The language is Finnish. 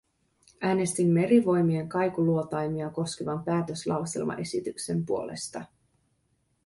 Äänestin merivoimien kaikuluotaimia koskevan päätöslauselmaesityksen puolesta.